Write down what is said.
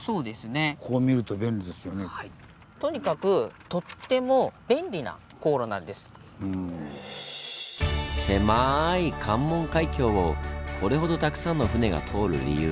こう見るととにかくせまい関門海峡をこれほどたくさんの船が通る理由。